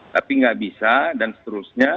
tapi nggak bisa dan seterusnya